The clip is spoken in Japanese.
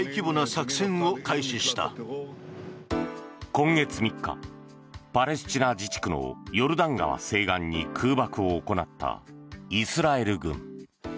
今月３日、パレスチナ自治区のヨルダン川西岸に空爆を行ったイスラエル軍。